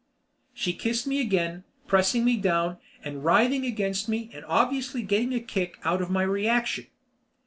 She kissed me again, pressing me down and writhing against me and obviously getting a kick out of my reaction.